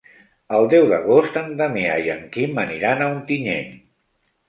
El deu d'agost en Damià i en Quim aniran a Ontinyent.